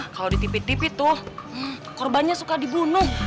kalo ditipit tipit tuh korbannya suka dibunuh